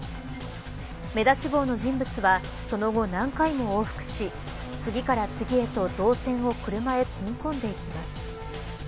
目出し帽の人物はその後、何回も往復し次から次へと銅線を車に積み込んでいきます。